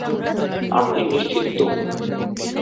আপনি নিশ্চিত তো?